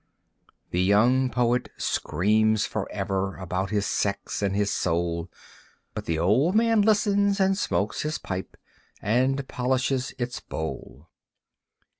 The young poet screams forever About his sex and his soul; But the old man listens, and smokes his pipe, And polishes its bowl.